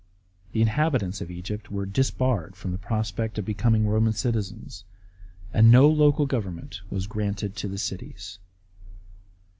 The inhabitants of Egypt were debarred from the prospect of becoming Roman citizens, and no local government was granted to the cities.